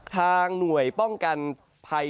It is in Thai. ทางหน่วยป้องกันภัย